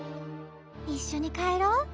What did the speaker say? いっしょにかえろう。